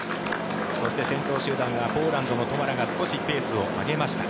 そして、先頭集団がポーランドのトマラが少しペースを上げました。